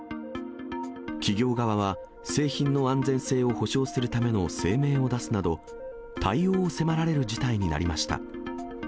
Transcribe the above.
企業側は、製品の安全性を保証するための声明を出すなど、対応を迫られる事態になりました。